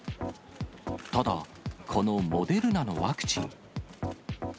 ただ、このモデルナのワクチン。